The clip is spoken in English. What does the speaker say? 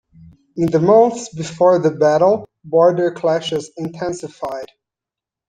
In the months before the battle, border clashes intensified.